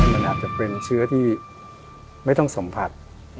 มันอาจจะเป็นเชื้อที่ไม่ต้องสัมผัส